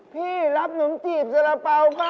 พี่รับหนุ่มจีบสารเป๋าบ้านด้วยคะ